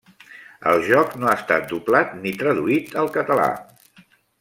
El joc no ha estat doblat ni traduït al català.